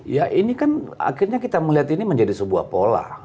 ya ini kan akhirnya kita melihat ini menjadi sebuah pola